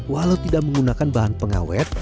walau tidak menggunakan bahan pengawet